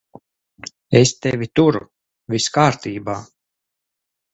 Es tevi turu. Viss kārtībā.